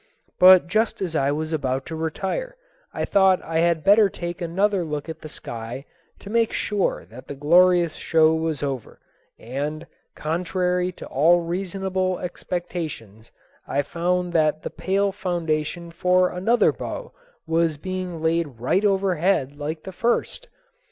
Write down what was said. But just as I was about to retire, I thought I had better take another look at the sky, to make sure that the glorious show was over; and, contrary to all reasonable expectations, I found that the pale foundation for another bow was being laid right overhead like the first.